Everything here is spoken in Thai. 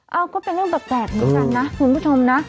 เอาก็เป็นเรื่องแปลกเหมือนกันนะคุณผู้ชมนะ